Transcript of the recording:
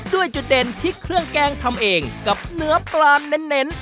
จุดเด่นที่เครื่องแกงทำเองกับเนื้อปลาเน้น